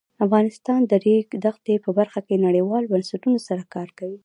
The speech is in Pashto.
افغانستان د د ریګ دښتې په برخه کې نړیوالو بنسټونو سره کار کوي.